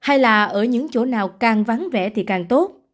hay là ở những chỗ nào càng vắng vẻ thì càng tốt